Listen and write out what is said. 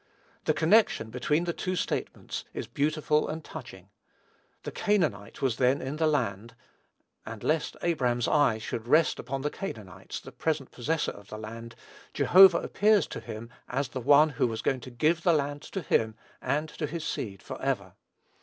The connection between the two statements is beautiful and touching. "The Canaanite was then in the land," and lest Abraham's eye should rest upon the Canaanite, the present possessor of the land, Jehovah appears to him as the One who was going to give the land to him and to his seed forever.